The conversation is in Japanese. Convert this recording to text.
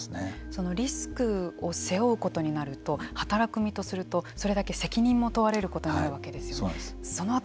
そのリスクを背負うことになると働く身とするとそれだけ責任も問われることになるわけですよね。